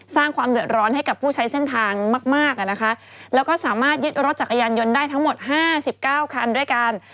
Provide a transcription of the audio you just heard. สร้างความเดือดร้อนให้กับผู้ใช้เส้นทางมากมากแล้วก็สามารถยึดรถจักรยานยนต์ได้ทั้งหมดห้าสิบเก้าคันด้วยกัน